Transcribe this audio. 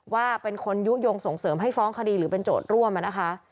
ว่าเป็นคนยุโยงส่งเสริมให้ฟ้องคดีหรือเป็นโจทย์ร่วมนะคะ